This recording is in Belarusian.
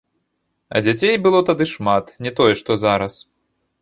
А дзяцей было тады шмат, не тое што зараз.